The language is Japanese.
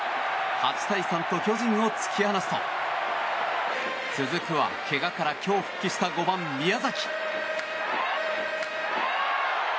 ８対３と巨人を突き放すと続くは、けがから今日復帰した５番、宮崎。